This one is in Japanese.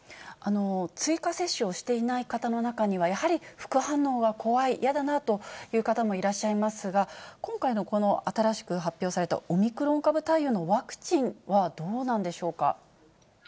追加接種をしていない方の中には、やはり副反応は怖い、嫌だなという方もいらっしゃいますが、今回の新しく発表されたオミクロン株対応のワクチンはどうなんでしょうか。